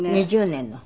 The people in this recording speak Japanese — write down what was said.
２０年の？